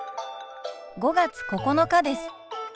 ５月９日です。